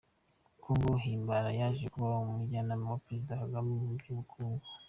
Nguko uko Himbara yaje kuba umujyanama wa Perezida Kagame mu by’ubukungu.